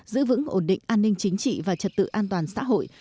giữ vững ổn định an ninh chính trị và trật tự an toàn xã hội